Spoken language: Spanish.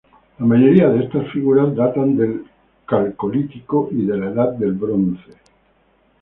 La mayoría de estas figuras datan del Calcolítico y de la Edad del Bronce.